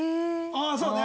ああそうね。